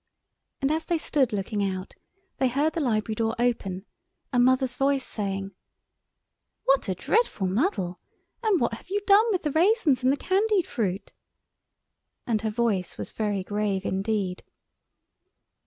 And as they stood looking out they heard the library door open, and Mother's voice saying— "What a dreadful muddle! And what have you done with the raisins and the candied fruits?" And her voice was very grave indeed.